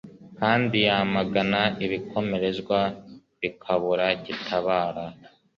kandi yamagana ibikomerezwa, bikabura gitabara